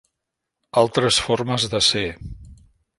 Altres formes de ser.